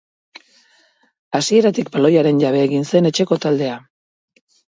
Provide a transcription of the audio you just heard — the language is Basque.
Hasieratik baloiaren jabe egin zen etxeko taldea.